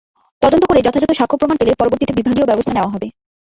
তদন্ত করে যথাযথ সাক্ষ্য প্রমাণ পেলে পরবর্তীতে বিভাগীয় ব্যবস্থা নেওয়া হবে।